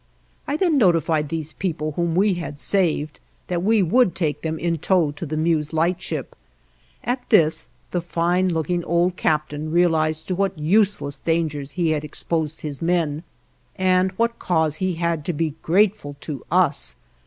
I then notified these people whom we had saved that we would take them in tow to the Meuse Lightship; at this, the fine looking old captain realized to what useless dangers he had exposed his men, and what cause he had to be grateful to us.